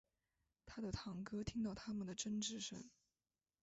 他的堂哥听到他们的争执声